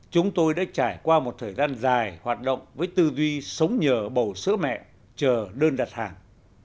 chúng tôi đã trải qua một thời gian dài hoạt động với tư duy sống nhờ bầu sữa mẹ chờ đơn đặt hàng